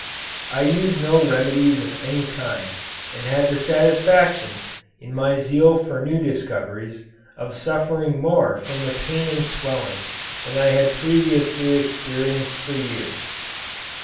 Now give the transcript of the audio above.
I used no remedies of any kind, and had the satisfaction, in my zeal for new discoveries, of suffering more from the pain and swelling, than I had previously experienced for years.